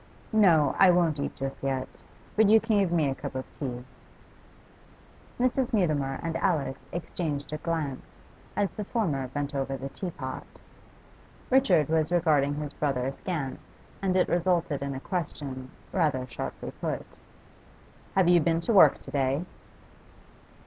'No; I won't eat just yet. But you can give me a cup of tea.' Mrs. Mutimer and Alice exchanged a glance, as the former bent over the teapot. Richard was regarding his brother askance, and it resulted in a question, rather sharply put 'Have you been to work to day?